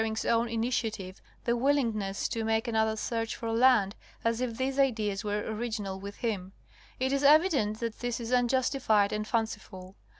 159 Lauridsen has ascribed to Bering's own initiative the willingness to make another search for land as if these ideas were original with him. It is evident that this is unjustified and fanciful.